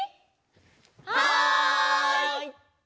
はい！